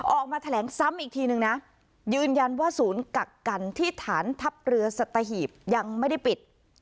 ออกมาแถลงซ้ำอีกทีนึงนะยืนยันว่าศูนย์กักกันที่ฐานทัพเรือสัตหีบยังไม่ได้ปิด